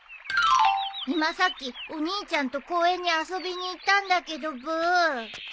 今さっきお兄ちゃんと公園に遊びに行ったんだけどブー。